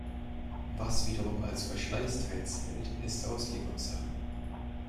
Was wiederum als Verschleißteil zählt, ist Auslegungssache.